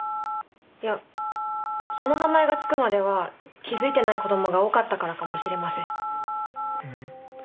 いやその名前が付くまでは気づいてない子どもが多かったからかもしれません。